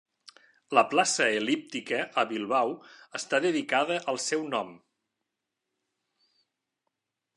La Plaça El·líptica, a Bilbao, està dedicada al seu nom.